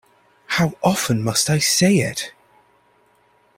How often must I say it!